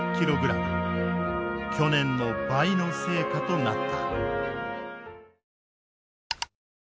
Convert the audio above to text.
去年の倍の成果となった。